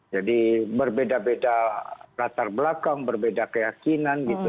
jadi berbeda beda latar belakang berbeda keyakinan gitu